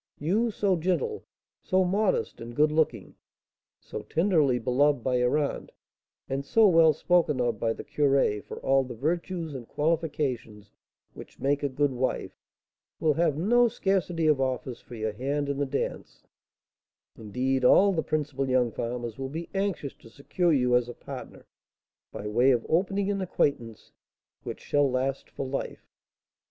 You, so gentle, so modest and good looking, so tenderly beloved by your aunt, and so well spoken of by the curé for all the virtues and qualifications which make a good wife, will have no scarcity of offers for your hand in the dance, indeed, all the principal young farmers will be anxious to secure you as a partner, by way of opening an acquaintance which shall last for life.